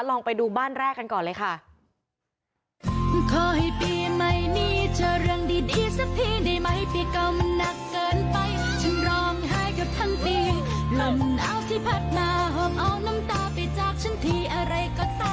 ลองไปดูบ้านแรกกันก่อนเลยค่ะ